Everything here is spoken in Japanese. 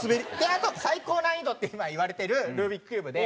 あと最高難易度って今言われてるルービックキューブで。